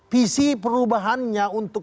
visi perubahannya untuk